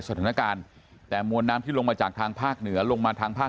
สถานการณ์แต่มวลน้ำที่ลงมาจากทางภาคเหนือลงมาทางภาค